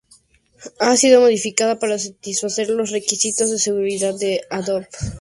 Ha sido modificada para satisfacer los requisitos de seguridad de Adobe.